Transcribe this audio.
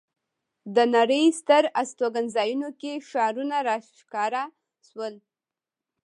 د نړۍ ستر استوګنځایونو کې ښارونه را ښکاره شول.